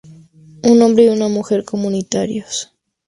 Un hombre y una mujer comunitarios.